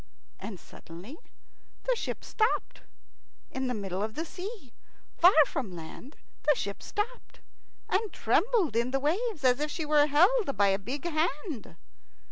And suddenly the ship stopped. In the middle of the sea, far from land, the ship stopped and trembled in the waves, as if she were held by a big hand.